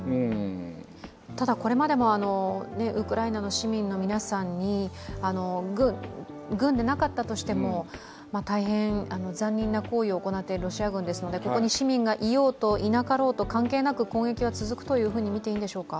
ただ、これまでもウクライナの市民の皆さんに軍でなかったとしても大変残忍な行為を行っているロシア軍ですので、ここに市民がいようと、いなかろうと、関係なく攻撃は続くとみていいんでしょうか？